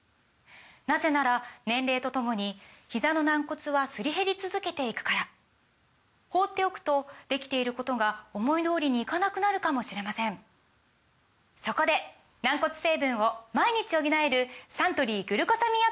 なぜなら年齢とともにひざの軟骨はすり減り続けていくから放っておくとできていることが思い通りにいかなくなるかもしれませんそこで軟骨成分を毎日補えるサントリー「グルコサミンアクティブ」！